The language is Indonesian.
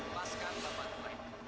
lepaskan bapak tua itu